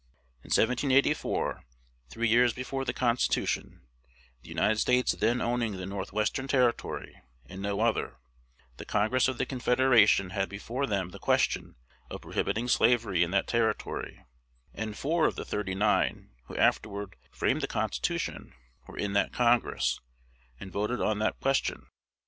In 1784, three years before the Constitution, the United States then owning the North western Territory, and no other, the Congress of the Confederation had before them the question of prohibiting slavery in that Territory; and four of the "thirty nine" who afterward framed the Constitution were in that Congress, and voted on that question.